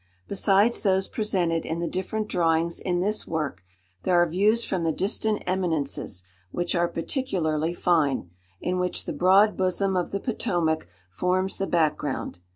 Besides those presented in the different drawings in this work, there are views from the distant eminences, which are particularly fine, in which the broad bosom of the Potomac forms the back ground.